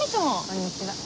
こんにちは。